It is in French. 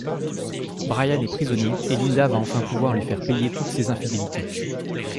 Brian est prisonnier et Linda va enfin pouvoir lui faire payer toutes ses infidélités.